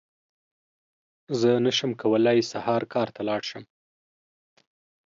زه نشم کولی سهار کار ته لاړ شم!